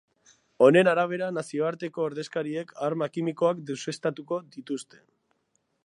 Honen arabera nazioarteko ordezkariek arma kimikoak deuseztatuko dituzte.